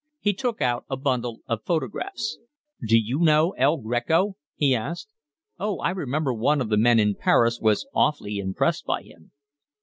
He took out a bundle of photographs. "Do you know El Greco?" he asked. "Oh, I remember one of the men in Paris was awfully impressed by him."